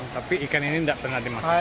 tapi ikan ini tidak pernah dimasak